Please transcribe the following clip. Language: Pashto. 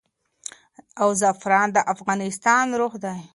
او زعفران د افغانستان روح دی.